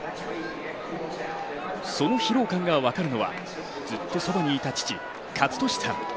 その疲労感が分かるのはずっとそばにいた父・健智さん。